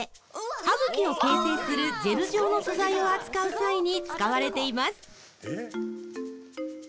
歯茎を形成するジェル状の素材を扱う際に使われています